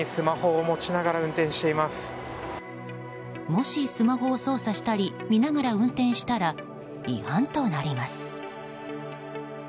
もしスマホを操作したり見ながら運転したら違反となります。